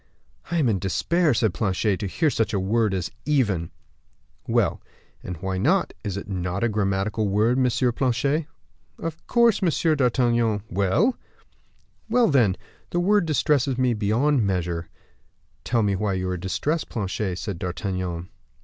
"I am in despair," said Planchet, "to hear such a word as even." "Well, and why not; is it not a grammatical word, Monsieur Planchet?" "Of course, Monsieur d'Artagnan." "Well!" "Well, then, the word distresses me beyond measure." "Tell me why you are distressed, Planchet," said D'Artagnan.